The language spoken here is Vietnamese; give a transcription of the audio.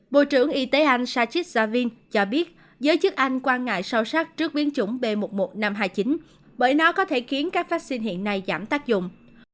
bộ trưởng y tế anh sajid javid cho biết giới chức anh quan ngại sâu sắc trước biến chủng b một một năm trăm hai mươi chín bởi nó có thể khiến các vaccine hiện nay giảm tác dụng